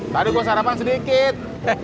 tadi gue sarapan sedikit